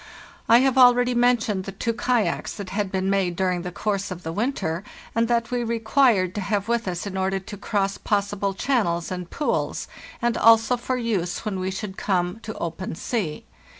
I have already mentioned the two kayaks that had been made during the course of the winter, and that we required to have with us in order to cross possible channels and pools, and also for use when we sk come to open sea.